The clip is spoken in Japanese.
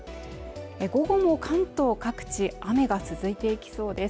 午後も関東各地、雨が続いていきそうです。